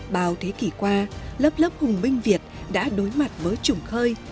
bao thế kỷ qua lớp lớp hùng minh việt đã đối mặt với trùng khơi